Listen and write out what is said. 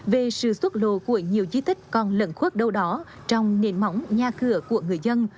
về sự xuất lồ của nhiều di tích còn lẩn khuất đâu đó trong nền mỏng nhà cửa của người dân